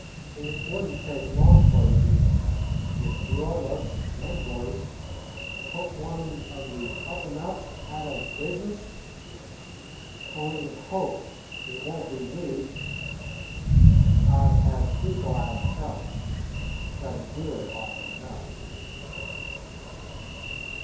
It would n't take long for you, with your looks and voice, to put one of the 'up and ups' out o' the business. Only hope it won't be me. I 've had people I 've helped try to do it often enough."